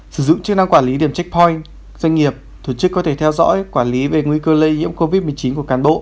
sử dụng chức năng quản lý điểm checkpoin doanh nghiệp tổ chức có thể theo dõi quản lý về nguy cơ lây nhiễm covid một mươi chín của cán bộ